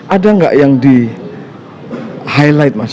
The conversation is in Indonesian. ada nggak yang di highlight mas